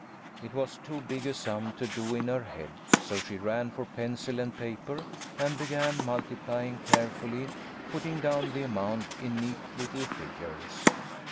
It was too big a sum to do in her head, so she ran for pencil and paper and began multiplying carefully, putting down the amount in neat little figures.